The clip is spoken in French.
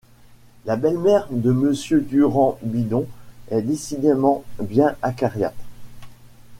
La belle-mère de Monsieur Durand-Bidon est décidément bien acariâtre.